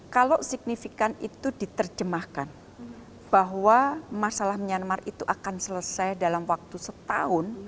kalau signifikan itu diterjemahkan bahwa masalah myanmar itu akan selesai dalam waktu setahun